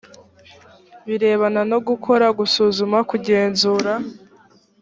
birebana no gukora, gusuzuma, kugenzura